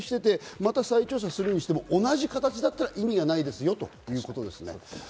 表明していて再調査するにしていても、同じ形だったら意味がないですよということですね。